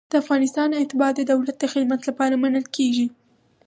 د افغانستان اتباع د دولت د خدمت لپاره منل کیږي.